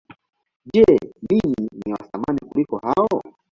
Je, ninyi si wa thamani kuliko hao?